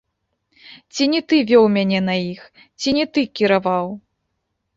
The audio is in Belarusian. Ці не ты вёў мяне на іх, ці не ты кіраваў.